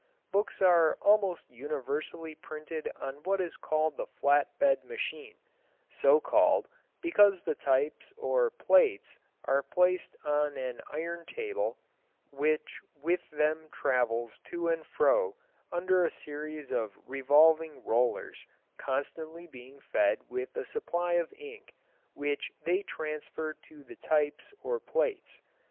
Books are almost universally printed on what is called the flat bed machine, so called because the types or plates are placed on an iron table which with them travels to and fro under a series of revolving rollers constantly being fed with a supply of ink which they transfer to the types or plates.